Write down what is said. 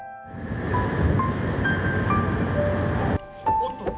おっと。